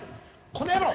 この野郎！